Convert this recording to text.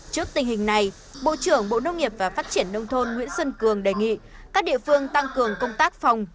trước tình hình này bộ trưởng bộ nông nghiệp và phát triển nông thôn nguyễn xuân cường đề nghị các địa phương tăng cường công tác phòng